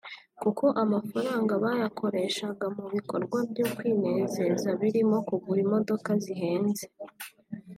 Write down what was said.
kuko ayo mafaranga bayakoreshaga mu bikorwa byo kwinezeza birimo kugura imodoka zihenze